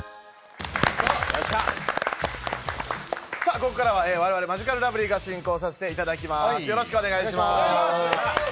ここからは我々マヂカルラブリーが進行させていただきます。